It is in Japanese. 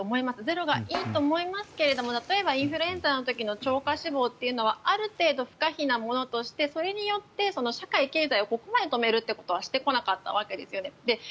でも、ゼロがいいと思いますけど例えばインフルエンザの超過死亡というのはある程度不可避なものとしてそれによって社会経済をここまで止めるってことはしてこなかったわけですよね。